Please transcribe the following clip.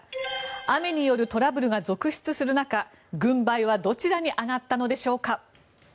雨によるトラブルが続出する中軍配はどちらに上がったのでしょうか。